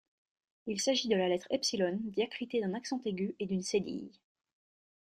Il s’agit de la lettre epsilon diacritée d’un accent aigu et d’une cédille.